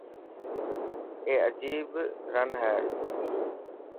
اي اجيب رن هي.